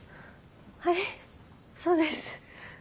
はいそうです。